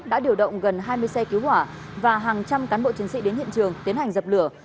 đã điều động gần hai mươi xe cứu hỏa và hàng trăm cán bộ chiến sĩ đến hiện trường tiến hành dập lửa